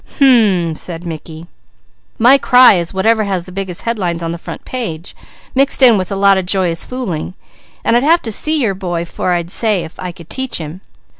"Hum m m m!" said Mickey. "My cry is whatever has the biggest headlines on the front page, mixed in with a lot of joyous fooling, and I'd have to see your boy 'fore I'd say if I could teach him.